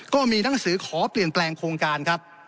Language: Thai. ก็มีหนังสือขอเปลี่ยนแปลงโครงการครับ